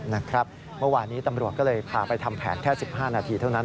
เมื่อวานนี้ตำรวจก็เลยพาไปทำแผนแค่๑๕นาทีเท่านั้น